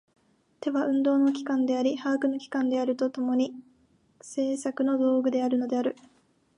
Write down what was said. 手は運動の機関であり把握の機関であると共に、製作の道具であるのである。